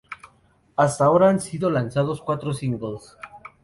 Hasta ahora, han sido lanzados cuatro singles.